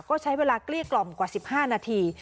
ก็ใช้เวลาเกลี้ยกล่อมกว่า๑๕นาที